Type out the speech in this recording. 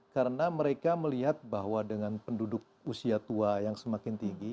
karena mereka melihat bahwa dengan penduduk usia tua yang semakin tinggi